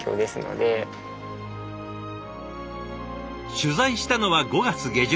取材したのは５月下旬。